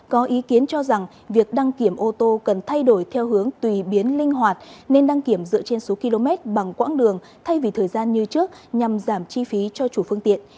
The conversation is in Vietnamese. có ý kiến cho rằng việc đăng kiểm ô tô cần thay đổi theo hướng tùy biến linh hoạt nên đăng kiểm dựa trên số km bằng quãng đường thay vì thời gian như trước nhằm giảm chi phí cho chủ phương tiện